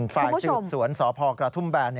ฝ่ายสืบสวนสพกระทุ่มแบน